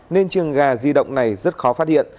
nên trường gà di động này rất khó phát hiện